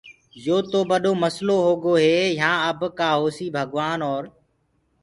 يو تو ٻڏو مسلو هوگو هي يهآن اب ڪآ هوسيٚ ڀگوآن اور